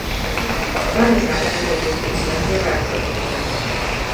A pályaszámok utolsó két számjegye változatlan maradt.